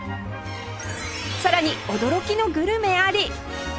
さらに驚きのグルメあり